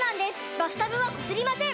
バスタブはこすりません！